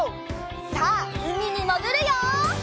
さあうみにもぐるよ！